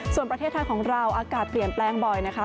ส่วนประเทศไทยของเราอากาศเปลี่ยนแปลงบ่อยนะคะ